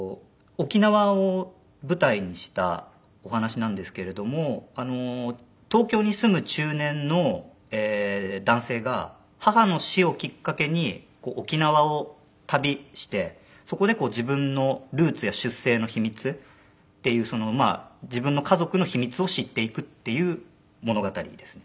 沖縄を舞台にしたお話なんですけれども東京に住む中年の男性が母の死をきっかけに沖縄を旅してそこで自分のルーツや出生の秘密っていうまあ自分の家族の秘密を知っていくっていう物語ですね。